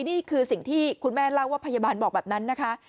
นี่คือสิ่งที่คุณแม่เล่าว่าพยาบาลบอกแบบนั้นนะคะ